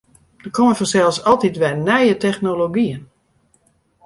Der komme fansels altyd wer nije technologyen.